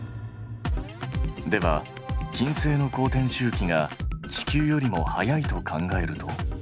では金星の公転周期が地球よりも早いと考えると。